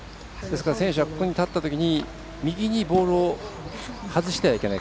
選手はここに立ったときに右にボールを外してはいけない。